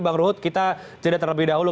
bang ruth kita cerdas terlebih dahulu